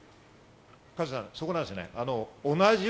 加藤さん、そこなんですね。